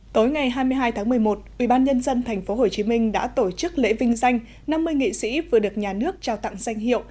tối ngày hai mươi hai tháng một mươi một ubnd tp hcm đã tổ chức lễ vinh danh năm mươi nghệ sĩ vừa được nhà nước trao tặng danh hiệu